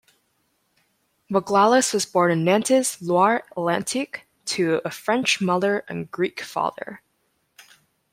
Mouglalis was born in Nantes, Loire-Atlantique, to a French mother and Greek father.